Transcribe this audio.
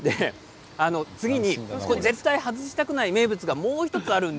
次にこちら外したくない名物がもう１つあります。